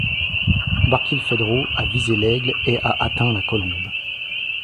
Barkilphedro a visé l’aigle et a atteint la colombe